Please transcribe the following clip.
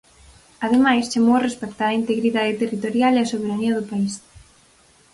Ademais, chamou a respectar a integridade territorial e a soberanía do país.